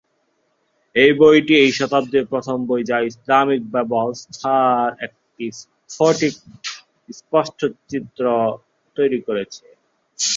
এই বইটি এই শতাব্দীর প্রথম বই যা ইসলামিক ব্যবস্থার একটি স্ফটিক স্পষ্ট চিত্র তৈরি করেছে।